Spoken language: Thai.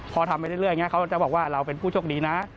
พอทำไปเรื่อยเขาจะบอกว่าเราเป็นผู้ชกดีนะ